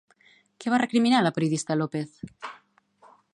Què va recriminar la periodista López?